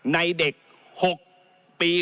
ในเด็ก๖ปี